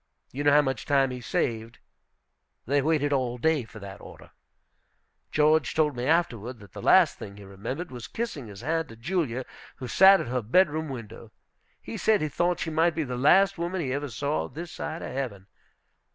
You know how much time he saved, they waited all day for that order. George told me afterward that the last thing he remembered was kissing his hand to Julia, who sat at her bedroom window. He said he thought she might be the last woman he ever saw this side of heaven.